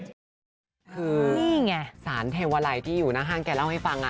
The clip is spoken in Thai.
คือศาลเทวาลัยที่อยู่ในห้างแกเล่าให้ฟัง